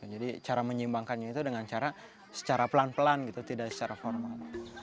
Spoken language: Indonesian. jadi cara menyeimbangkannya itu dengan cara secara pelan pelan tidak secara formal